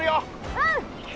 うん！